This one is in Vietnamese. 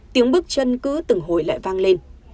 tiếng bước chân cứ từng hồi lại vang lên